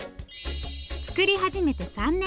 作り始めて３年。